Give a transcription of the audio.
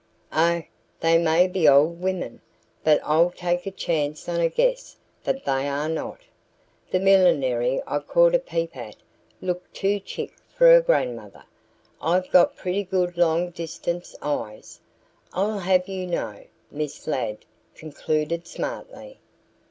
"Oh, they may be old women, but I'll take a chance on a guess that they are not. The millinery I caught a peep at looked too chic for a grandmother. I've got pretty good long distance eyes, I'll have you know," Miss Ladd concluded smartly.